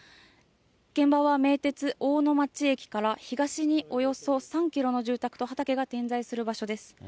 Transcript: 現場は名鉄おうのまち駅から東におよそ３キロの住宅と畑が点在する場所です。